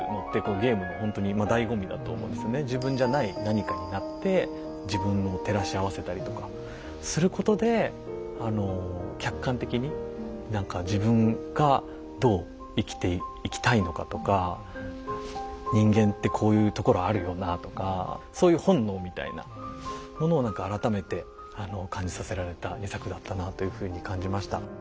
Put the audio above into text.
ゲームのほんとにだいご味だと思うんですよね。とかすることで客観的に何か自分がどう生きていきたいのかとか人間ってこういうところあるよなとかそういう本能みたいなものを何か改めて感じさせられた２作だったなあというふうに感じました。